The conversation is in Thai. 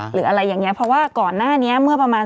หรืออะไรอย่างเงี้ยเพราะว่าก่อนหน้านี้เมื่อประมาณ